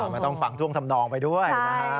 มันต้องฟังทวงสำนองไปด้วย